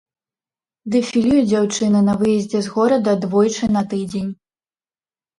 Дэфілюе дзяўчына на выездзе з горада двойчы на тыдзень.